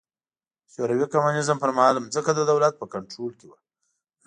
د شوروي کمونېزم پر مهال ځمکه د دولت په کنټرول کې وه.